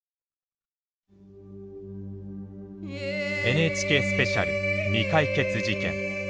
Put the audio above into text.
ＮＨＫスペシャル「未解決事件」。